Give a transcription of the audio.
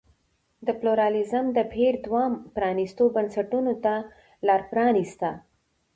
د پلورالېزم د بهیر دوام پرانیستو بنسټونو ته لار پرانېسته.